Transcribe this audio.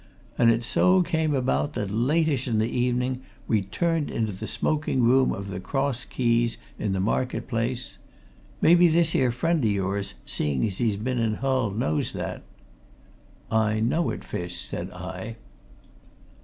And it so came about that lateish in the evening we turned into the smoking room of the Cross Keys, in the Market Place maybe this here friend o' yours, seeing as he's been in Hull, knows that!" "I know it, Fish," said I.